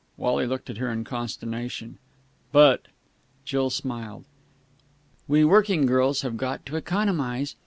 Wally looked at her in consternation. "But...." Jill smiled. "We working girls have got to economize.